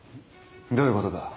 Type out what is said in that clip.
どういうことだ？